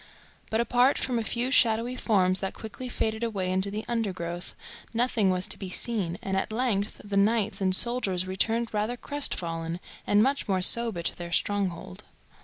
But, apart from a few shadowy forms that quickly faded away into the undergrowth, nothing was to be seen, and at length the knights and soldiers returned rather crestfallen, and much more sober, to their stronghold.